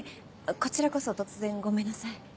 こちらこそ突然ごめんなさい。